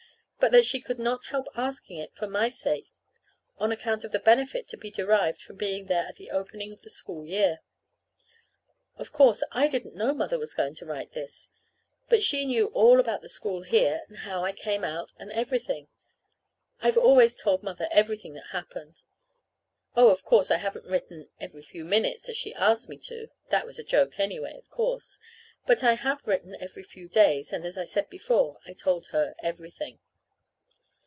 But that she could not help asking it for my sake, on account of the benefit to be derived from being there at the opening of the school year. Of course, I didn't know Mother was going to write this. But she knew all about the school here, and how I came out, and everything. I've always told Mother everything that has happened. Oh, of course, I haven't written "every few minutes," as she asked me to. (That was a joke, anyway, of course.) But I have written every few days, and, as I said before, I told her everything.